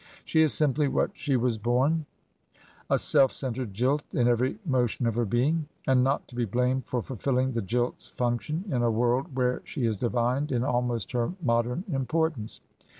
She is simply what she was bom, a self centred jilt in every motion of her being, and not to be blamed for fulfilling the jilt's function in a world where she is divined in almost her modem im portance.